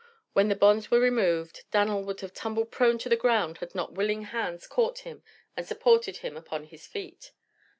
When the bonds were removed Dan'l would have tumbled prone to the ground had not willing hands caught him and supported him upon his feet.